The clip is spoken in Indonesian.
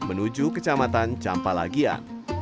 menuju kecamatan campa lagian